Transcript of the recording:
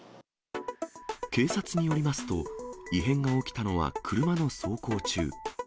警察によりますと、異変が起きたのは車の走行中。